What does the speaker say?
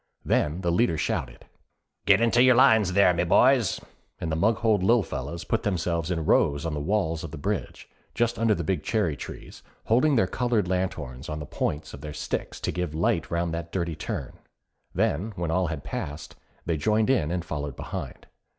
Then the leader shouted: 'Get into your lines there, my boys,' and the Maughold Lil Fellas put themselves in rows on the walls of the bridge, just under the big cherry trees, holding their coloured lanthorns on the points of their sticks to give light round that dirty turn; then when all had passed, they joined in and followed behind.